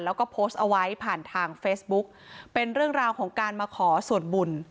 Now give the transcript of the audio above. แล้วก็โพสต์เอาไว้ผ่านทางเฟซบุ๊กเป็นเรื่องราวของการมาขอส่วนบุญ